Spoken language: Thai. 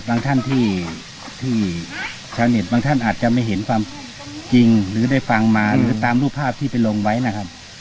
ท่านที่ชาวเน็ตบางท่านอาจจะไม่เห็นความจริงหรือได้ฟังมาหรือตามรูปภาพที่ไปลงไว้นะครับ